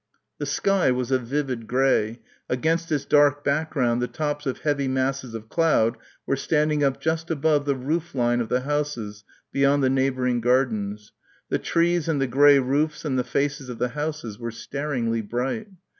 The sky was a vivid grey against its dark background the top of heavy masses of cloud were standing up just above the roof line of the houses beyond the neighbouring gardens. The trees and the grey roofs and the faces of the houses were staringly bright.